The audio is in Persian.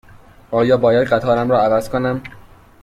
آیا باید قطارم را عوض کنم؟